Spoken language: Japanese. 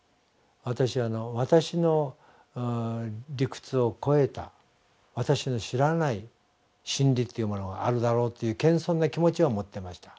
私は私の理屈を超えた私の知らない真理というものがあるだろうっていう謙遜な気持ちは持ってました。